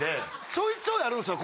ちょいちょいあるんすよ。